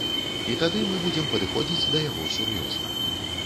І тады мы будзем падыходзіць да яго сур'ёзна.